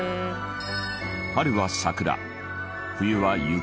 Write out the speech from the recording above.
春は桜冬は雪化粧。